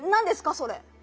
それ。